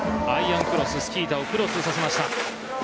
アイアンクロススキー板をクロスさせました。